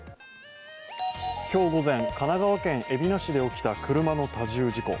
今日午前神奈川県海老名市で起きた車の多重事故。